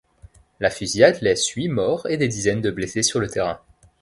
La fusillade laisse huit morts et des dizaines de blessés sur le terrain.